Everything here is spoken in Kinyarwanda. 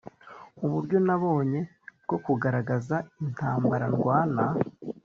uburyo nabonye bwo kugaragaza intambara ndwana